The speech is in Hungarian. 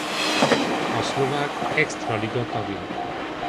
A Szlovák Extraliga tagja.